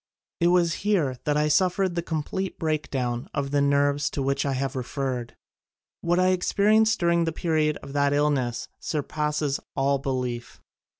It was here that I suffered the complete breakdown of the nerves to which I have referred. What I experienced during the period of that illness surpasses all belief.